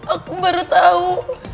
aku baru tau